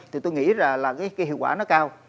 thì tôi nghĩ là cái hiệu quả nó cao